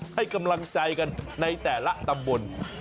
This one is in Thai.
ให้กำลังใจกันในแต่ละตำบล